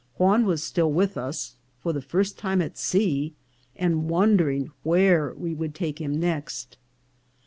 Juan was still with us, for the first time at sea, and wondering where we would take him next.